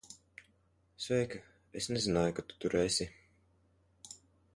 Sveika. Es nezināju, ka tu tur esi.